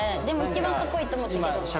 でも一番かっこいいと思ったけど。